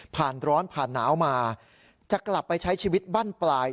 ร้อนผ่านหนาวมาจะกลับไปใช้ชีวิตบั้นปลาย